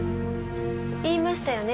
言いましたよね